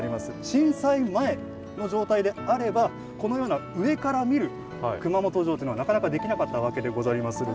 震災前の状態であればこのような上から見る熊本城っていうのはなかなかできなかったわけでござりまするからのう